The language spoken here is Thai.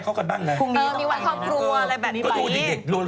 มีวันครอบครัวอะไรแบบนี้